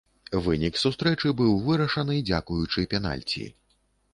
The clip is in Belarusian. Вынік сустрэчы быў вырашаны дзякуючы пенальці.